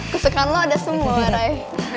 kesukaan lo ada semua ray